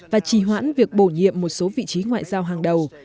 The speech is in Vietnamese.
và trì hoãn việc bổ nhiệm một số vị trí ngoại giao hàng đầu